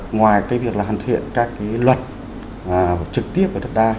ngoài cái việc là hoàn thiện các cái luật trực tiếp của đất đai